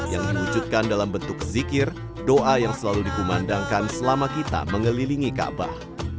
yang diwujudkan dalam bentuk zikir doa yang selalu dikumandangkan selama kita mengelilingi kaabah